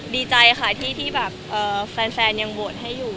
ดีใจที่แฟนยังโบสถ์ให้อยู่